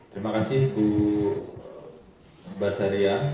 terima kasih bu basarian